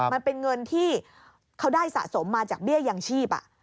มันเป็นเงินที่เขาได้สะสมมาจากเบี้ยยังชีพ